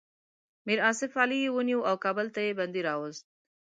میر آصف علي یې ونیو او کابل ته یې بندي راووست.